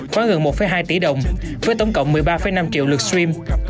khóa gần một hai tỷ đồng với tổng cộng một mươi ba năm triệu lượt stream